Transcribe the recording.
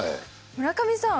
村上さん？